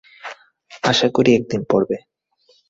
আশা করি একদিন পড়বে।